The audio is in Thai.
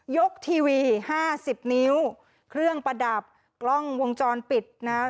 ทีวีห้าสิบนิ้วเครื่องประดับกล้องวงจรปิดนะฮะ